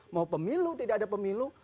mau pemilu tidak ada pemilu